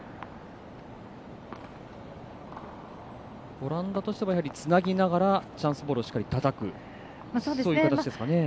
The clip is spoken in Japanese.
オランダとしてはつなぎながらチャンスボールをしっかりたたくそういう形ですかね。